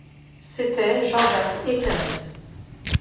C’étaient Jean-Jacques et Thérèse.